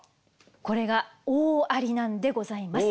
これが大ありなんでございます。